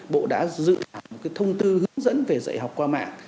bộ đã dự một cái thông tư hướng dẫn về dạy học qua mạng